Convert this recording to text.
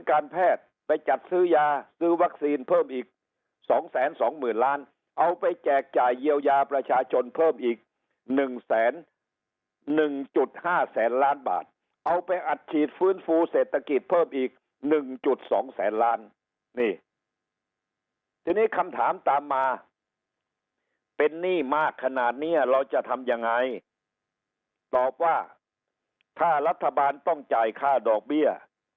การแพทย์ไปจัดซื้อยาซื้อวัคซีนเพิ่มอีก๒๒๐๐๐ล้านเอาไปแจกจ่ายเยียวยาประชาชนเพิ่มอีก๑๑๕แสนล้านบาทเอาไปอัดฉีดฟื้นฟูเศรษฐกิจเพิ่มอีก๑๒แสนล้านนี่ทีนี้คำถามตามมาเป็นหนี้มากขนาดเนี้ยเราจะทำยังไงตอบว่าถ้ารัฐบาลต้องจ่ายค่าดอกเบี้ย